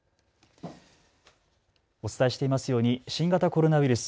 お伝えしていますように新型コロナウイルス。